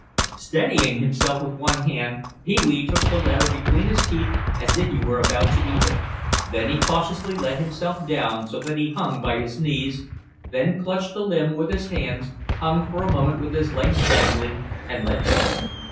Steadying himself with one hand, Pee wee took the letter between his teeth as if he were about to eat it. Then he cautiously let himself down so that he hung by his knees, then clutched the limb with his hands, hung for a moment with his legs dangling, and let go.